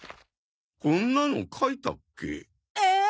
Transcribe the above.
こんなの書いたっけ？ええ！？